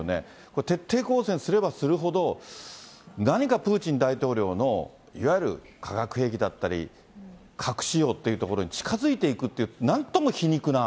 これ、徹底抗戦すればするほど、何かプーチン大統領のいわゆる化学兵器だったり、核使用というところに近づいていくっていう、なんとも皮肉な。